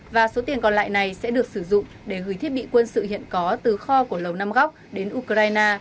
và số tiền còn lại này sẽ được sử dụng để gửi thiết bị quân sự hiện có từ kho của lầu nam góc đến ukraine